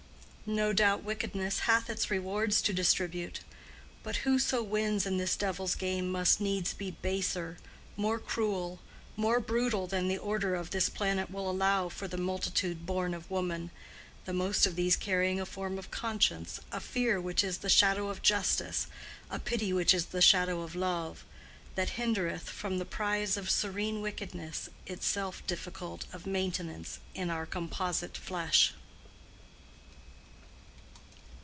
No doubt wickedness hath its rewards to distribute; but who so wins in this devil's game must needs be baser, more cruel, more brutal than the order of this planet will allow for the multitude born of woman, the most of these carrying a form of conscience—a fear which is the shadow of justice, a pity which is the shadow of love—that hindereth from the prize of serene wickedness, itself difficult of maintenance in our composite flesh.